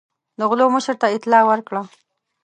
د غلو مشر ته اطلاع ورکړه.